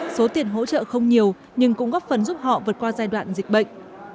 số tiền hỗ trợ không nhiều nhưng cũng góp phần giúp họ vượt qua giai đoạn dịch bệnh